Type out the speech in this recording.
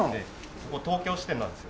ここ東京支店なんですよ。